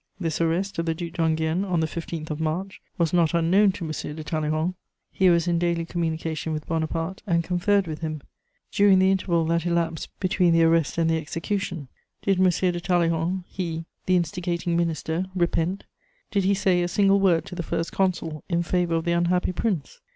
This arrest of the Duc d'Enghien on the 15th of March was not unknown to M. de Talleyrand: he was in daily communication with Bonaparte and conferred with him; during the interval that elapsed between the arrest and the execution, did M. de Talleyrand, he, the instigating Minister, repent, did he say a single word to the First Consul in favour of the unhappy Prince?